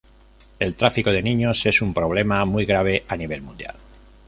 El tráfico de niños es un problema muy grave a nivel mundial.